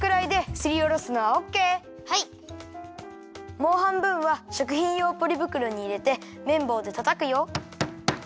もうはんぶんはしょくひんようポリぶくろにいれてめんぼうでたたくよ。